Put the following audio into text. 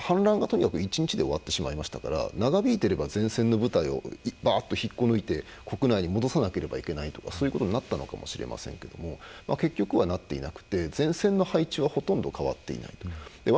というのは、反乱が１日で終わってしまいましたから長引いていれば前線の部隊を引っこ抜いて国内に戻さないといけないことになったのかもしれませんけど結局はなっていなくて前線の配置はほとんど変わっていない。